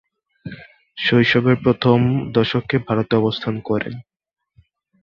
শৈশবের প্রথম দশকে ভারতে অবস্থান করেন।